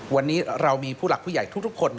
วันนี้เรามีผู้หลักผู้ใหญ่ทุกคน